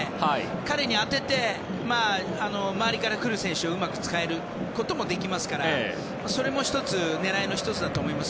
彼に当てて周りからくる選手をうまく使えることもできますからそれも狙いの１つだと思います。